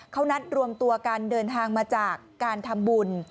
เขานัดรวมตัวกันเดินทางมาจากการทำบุญ